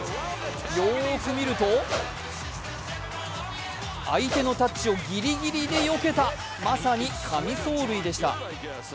よーく見ると相手のタッチをギリギリでよけたまさに神走塁でした。